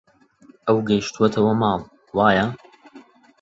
ئەو گەیشتووەتەوە ماڵ، وایە؟